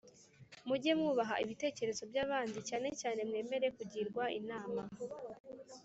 Muge mwubaha ibitekerezo by’abandi, cyanecyane mwemere kugirwa inama.